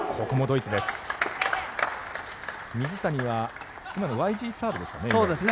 水谷は今のＹＧサーブですかね。